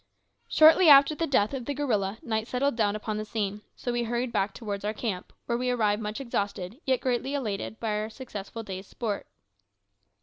Shortly after the death of the gorilla, night settled down upon the scene, so we hurried back towards our camp, where we arrived much exhausted, yet greatly elated, by our successful day's sport.